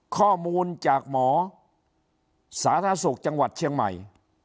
ข้อมูลจากหมอสาธารณสุขจังหวัดเชียงใหม่